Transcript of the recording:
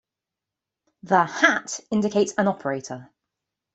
The "hat" indicates an operator.